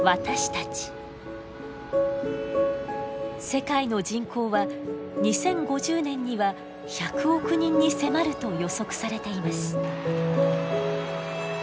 世界の人口は２０５０年には１００億人に迫ると予測されています。